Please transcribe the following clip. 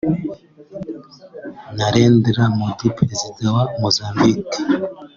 Narendra Modi; Perezida wa Mozambique